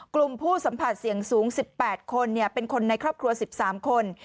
กลุ่มผู้สัมผัสเสี่ยงสูง๑๘คนเป็นคนในครอบครัว๑๓คน